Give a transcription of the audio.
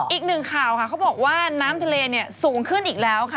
อีกหนึ่งข่าวค่ะเขาบอกว่าน้ำทะเลเนี่ยสูงขึ้นอีกแล้วค่ะ